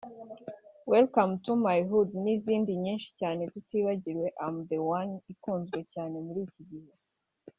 Welcome To My Hood n’izindi nyinshi cyane tutibagiwe I am The One ikunzwe cyane muri iki gihe